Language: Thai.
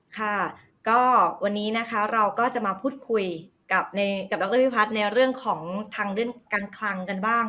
ค่ะก็วันนี้นะคะเราก็จะมาพูดคุยกับดรพิพัฒน์ในเรื่องของทางเรื่องการคลังกันบ้าง